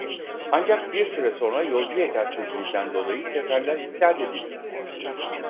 Ancak bir süre sonra yolcu yetersizliğinden dolayı seferler iptal edildi.